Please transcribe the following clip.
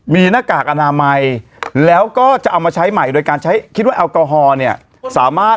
ผิดเลยนะ